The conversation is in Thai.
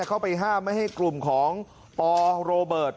เข้าไปห้ามไม่ให้กลุ่มของปโรเบิร์ต